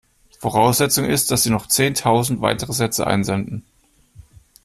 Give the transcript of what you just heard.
Voraussetzung ist, dass Sie noch zehntausend weitere Sätze einsenden.